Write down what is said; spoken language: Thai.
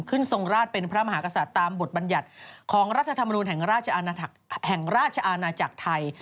ทรงราชเป็นพระมหากษัตริย์ตามบทบัญญัติของรัฐธรรมนูลแห่งราชแห่งราชอาณาจักรไทย